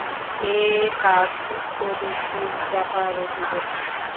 এ কাজ অধিকদিন চাপা রহিবে না।